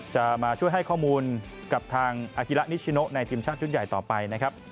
จะมาช่วยให้ข้อมูลกับทางอากีฬะนิชชิโนะในทีมช่างชุดใหญ่ต่อไป